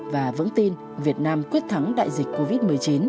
và vững tin việt nam quyết thắng đại dịch covid một mươi chín